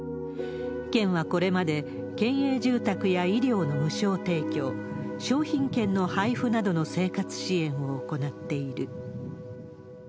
県はこれまで、県営住宅や医療の無償提供、商品券の配布などの生活支援を行っている。